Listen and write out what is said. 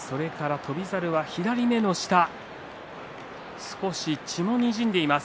翔猿は左目の下少し血がにじんでいます。